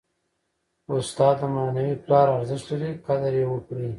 استاد د معنوي پلار ارزښت لري. قدر ئې وکړئ!